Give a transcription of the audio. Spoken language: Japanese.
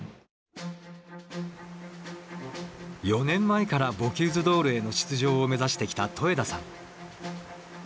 ４年前からボキューズ・ドールへの出場を目指してきた戸枝さん。